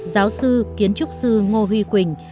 giáo sư kiến trúc sư ngô huy quỳnh